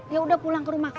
ya udah pulang ke rumah